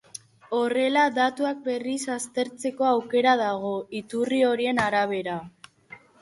Horrela, datuak berriz aztertzeko aukera dago, iturri horien arabera.